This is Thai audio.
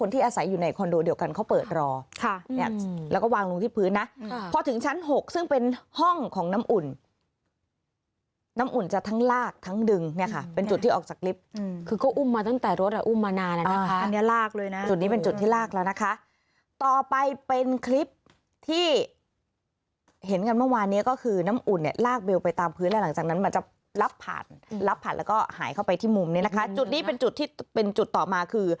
ถึงชั้น๖ซึ่งเป็นห้องของน้ำอุ่นน้ำอุ่นจะทั้งลากทั้งดึงเนี่ยค่ะเป็นจุดที่ออกจากลิฟต์คือก็อุ้มมาตั้งแต่รถอ่ะอุ้มมานานแล้วนะคะอันนี้ลากเลยนะจุดนี้เป็นจุดที่ลากแล้วนะคะต่อไปเป็นคลิปที่เห็นกันเมื่อวานนี้ก็คือน้ำอุ่นลากเบลลงไปตามพื้นแล้วหลังจากนั้นมันจะรับผ่านรับผ่านแล้วก็หายเข้าไปที่ม